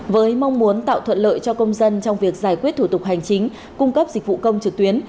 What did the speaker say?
với mong muốn tạo thuận lợi cho công dân trong việc giải quyết thủ tục hành chính cung cấp dịch vụ công trực tuyến